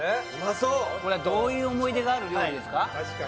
そうこれはどういう思い出がある料理ですか？